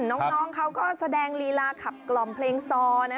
น้องเขาก็แสดงลีลาขับกล่อมเพลงซอ